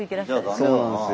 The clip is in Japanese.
そうなんですよ。